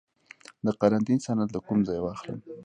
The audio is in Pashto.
د قرنطین سند له کوم ځای واخلم؟